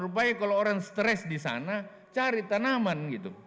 rupanya kalau orang stress di sana cari tanaman